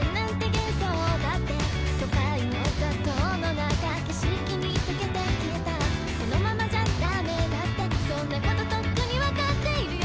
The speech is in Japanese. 幻想だって都会の雑踏の中景色に溶けて消えたこのままじゃダメだってそんなこととっくにわかっているよ